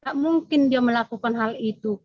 gak mungkin dia melakukan hal itu